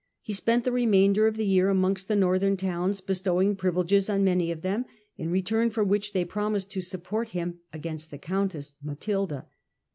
He spent the remainder of the year amongst the northern towns, bestowing privileges on many of them, in return for which they promised him support against the countess Matilda.